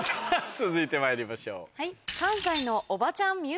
続いてまいりましょう。